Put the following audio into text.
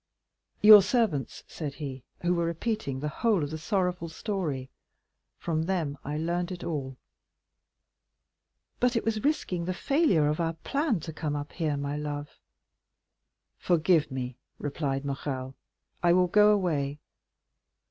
"Your servants," said he, "who were repeating the whole of the sorrowful story; from them I learned it all." "But it was risking the failure of our plan to come up here, love." "Forgive me," replied Morrel; "I will go away."